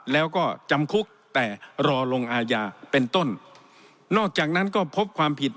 แล้วก็จำคุกแต่รอลงอาญาเป็นต้นนอกจากนั้นก็พบความผิด